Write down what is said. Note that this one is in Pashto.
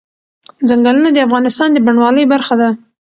ځنګلونه د افغانستان د بڼوالۍ برخه ده.